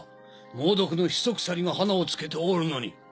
猛毒のヒソクサリが花をつけておるのに。